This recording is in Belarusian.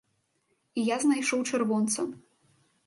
І я знайшоў чырвонца.